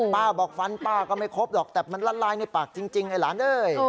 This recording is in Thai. บอกฟันป้าก็ไม่ครบหรอกแต่มันละลายในปากจริงไอ้หลานเอ้ย